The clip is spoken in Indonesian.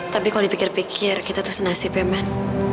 tapi kalau dipikir pikir kita tuh senasib ya man